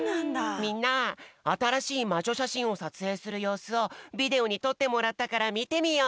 みんなあたらしいまじょしゃしんをさつえいするようすをビデオにとってもらったからみてみよう！